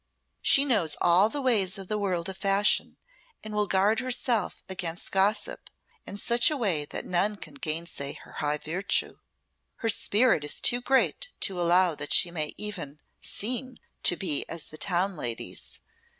She knows all the ways of the world of fashion, and will guard herself against gossip in such a way that none can gainsay her high virtue. Her spirit is too great to allow that she may even seem to be as the town ladies.